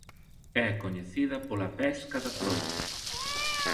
É coñecida pola pesca da troita.